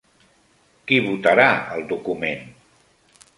Qui votarà el document?